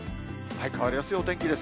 変わりやすいお天気です。